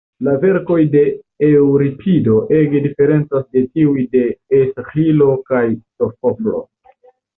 La verkoj de Eŭripido ege diferencas de tiuj de Esĥilo kaj Sofoklo.